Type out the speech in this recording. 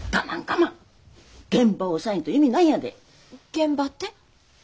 現場って？